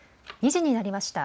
２時になりました。